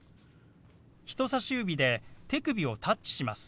人さし指で手首をタッチします。